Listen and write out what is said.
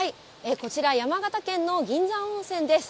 こちら、山形県の銀山温泉です。